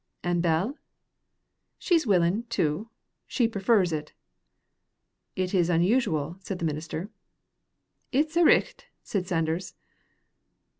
"And Bell?" "She's willin', too. She prefers it." "It is unusual," said the minister. "It's a' richt," said Sanders.